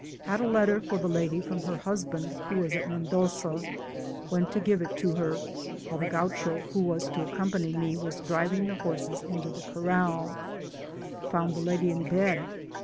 — ^^Had a letter for the lady from her husband who was at Mendoza — went to give it to her while the Gaucho, who was to accom pany me, was driving the horses into the corral found the lady in bed.